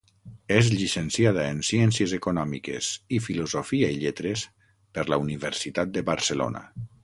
És llicenciada en Ciències Econòmiques i Filosofia i Lletres per la Universitat de Barcelona.